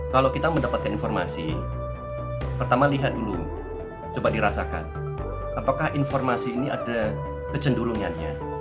kalau kita mendapatkan informasi pertama lihat dulu coba dirasakan apakah informasi ini ada kecenderungannya